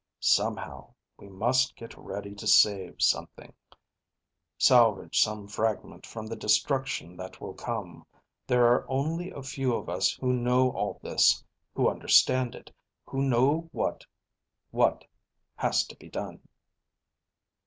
"Somehow we must get ready to save something, salvage some fragment from the destruction that will come. There are only a few of us who know all this, who understand it, who know what ... what has to be done."